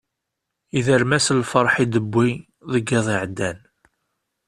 Yedrem-as lferḥ i d-tewwi deg yiḍ iɛeddan.